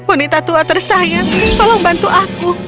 ini tatua tersayang tolong bantu aku